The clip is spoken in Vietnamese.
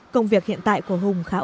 công việc hiện tại của hùng khá là tốt